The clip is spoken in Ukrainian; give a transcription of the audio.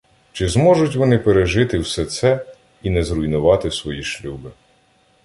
Чи зможуть вони пережити все це і не зруйнувати свої шлюби?